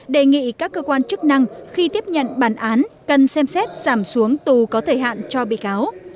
đề nghị các cơ quan chức năng khi tiếp nhận bản án cần xem xét giảm xuống tù có thời hạn cho bị cáo